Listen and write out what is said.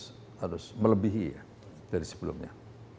antisipasinya harus melebihi dari sebelumnya